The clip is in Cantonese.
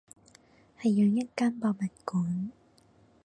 係養一間博物館